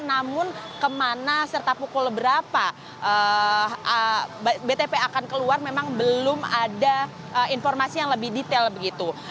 namun kemana serta pukul berapa btp akan keluar memang belum ada informasi yang lebih detail begitu